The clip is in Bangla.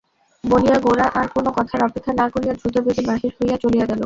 বলিয়া গোরা আর-কোনো কথার অপেক্ষা না করিয়া দ্রুতবেগে বাহির হইয়া চলিয়া গেল।